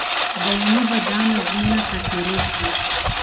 دایمي به دي نظمونه خاطرې کړي